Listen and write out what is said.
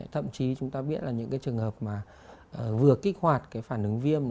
thậm chí chúng ta biết là những cái trường hợp mà vừa kích hoạt cái phản ứng viêm